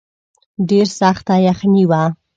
ډېره سخته یخني وه.